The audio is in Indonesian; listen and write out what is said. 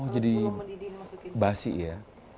oh jadi basi ya